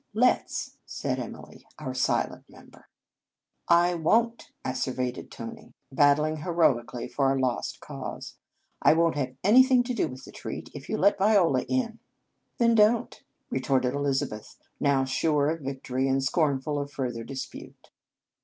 " Let s," said Emily, our silent member. " I won t! " asseverated Tony, bat tling heroically for a lost cause. " I won t have anything to do with the treat, if you let Viola in." "Then don t !" retorted Elizabeth, now sure of victory, and scornful of further dispute.